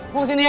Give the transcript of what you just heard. gue kesini ya